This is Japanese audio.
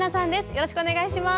よろしくお願いします。